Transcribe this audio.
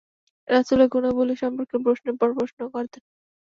রাসূলের গুণাবলী সম্পর্কে প্রশ্নের পর প্রশ্ন করতেন।